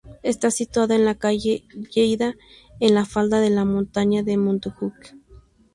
Está situado en la calle Lleida, en la falda de la montaña de Montjuic.